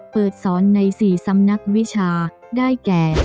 เปิดสอนใน๔สำนักวิชาได้แก่